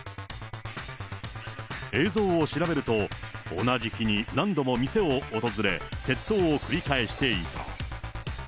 映像を調べると、同じ日に何度も店を訪れ、窃盗を繰り返していた。